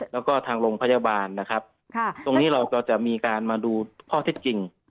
แล้วก็ทางโรงพยาบาลนะครับตรงนี้เราก็จะมีการมาดูข้อเท็จจริง